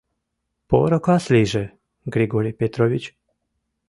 — Поро кас лийже, Григорий Петрович!